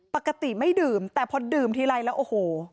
ปกติไม่ดื่มแต่พอดื่มทีไรแล้วโอ้โห